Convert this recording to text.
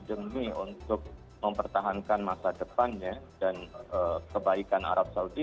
demi untuk mempertahankan masa depannya dan kebaikan arab saudi